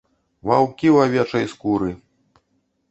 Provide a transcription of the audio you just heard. Ваўкі ў авечай скуры!